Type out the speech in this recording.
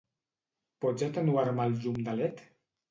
Pots atenuar-me el llum de led?